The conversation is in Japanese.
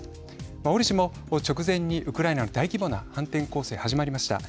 折しも直前にウクライナの大規模な反転攻勢が始まりました。